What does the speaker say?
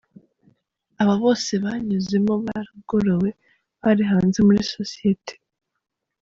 Abo bose banyuzemo baragorowe, bari hanze muri sosiyete.